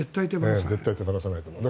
絶対に手放さないと思う。